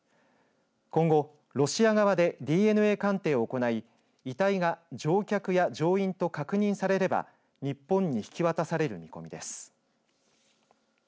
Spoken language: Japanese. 今後ロシア側でＤＮＡ鑑定を行い遺体が乗客や乗員と確認されれば日本に引き渡される見込みです。